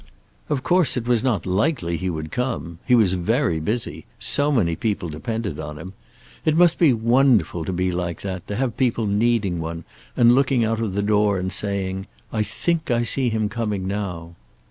Of course, it was not likely he would come. He was very busy. So many people depended on him. It must be wonderful to be like that, to have people needing one, and looking out of the door and saying: "I think I see him coming now."